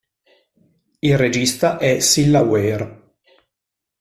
Il regista è Cilla Ware.